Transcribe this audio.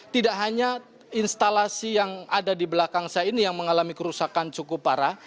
tidak hanya instalasi yang ada di belakang saya ini yang mengalami kerusakan cukup parah